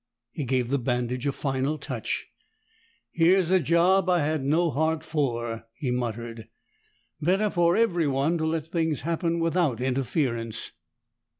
He gave the bandage a final touch. "Here's a job I had no heart for," he muttered. "Better for everyone to let things happen without interference."